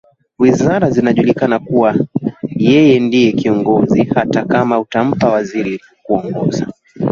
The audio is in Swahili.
Wizara zinajulikana kuwa yeye ndiye kiongozi hata kama atampa waziri kuongoza